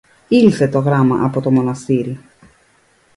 Ήλθε και γράμμα από το Μοναστήρι